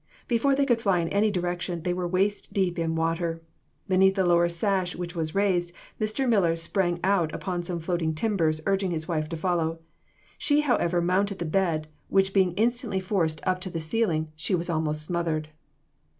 Before they could fly in any direction, they were waist deep in water. Beneath the lower sash which was raised, Mr. Miller sprang out upon some floating timbers, urging his wife to follow. She, however, mounted the bed, which being instantly forced up to the ceiling she was almost smothered.